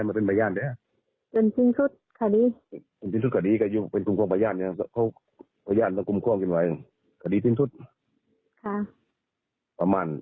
หน้าที่เหนื่อยจังหมดแล้วเนี่ย